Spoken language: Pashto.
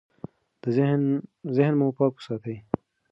ذهن مو پاک وساتئ.